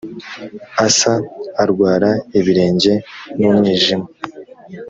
asa arwara ibirenge numwijima